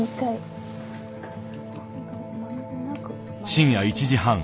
深夜１時半。